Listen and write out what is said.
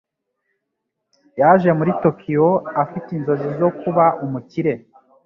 Yaje muri Tokiyo afite inzozi zo kuba umukire.